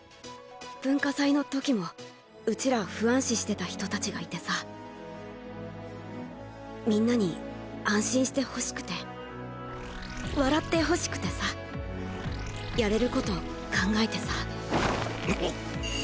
文化祭の時もウチら不安視してた人達がいてさ皆に安心してほしくて笑ってほしくてさやれる事考えてさ。